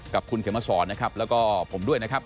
กับคุณเขมสอนนะครับแล้วก็ผมด้วยนะครับ